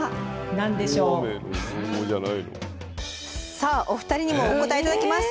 さあお二人にもお答え頂きます。